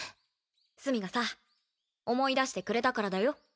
須美がさ思い出してくれたからだよ。